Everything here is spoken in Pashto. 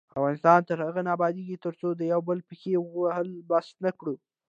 افغانستان تر هغو نه ابادیږي، ترڅو د یو بل پښې وهل بس نکړو.